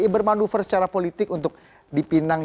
bermanuver secara politik untuk dipinang